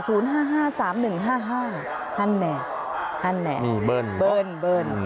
ธนแหน่ธนแหน่บิลบิลบิล